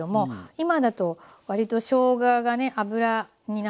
今だと割としょうががね油になんかこう吸ってしまって。